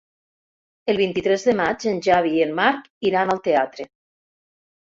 El vint-i-tres de maig en Xavi i en Marc iran al teatre.